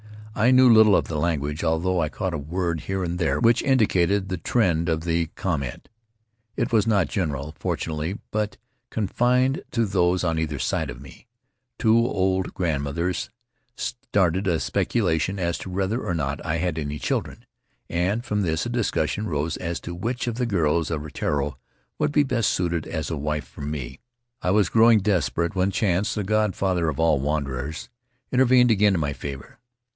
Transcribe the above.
I knew little of the language, although I caught a word here and there which indicated the trend of the com ment. It was not general, fortunately, but confined to those on either side of me. Two old grandmothers Faery Lands of the South Seas started a speculation as to whether or not I had any children, and from this a discussion rose as to which of the girls of Rutiaro would be best suited as a wife for me. I was growing desperate when Chance, the god father of all wanderers, intervened again in my favor.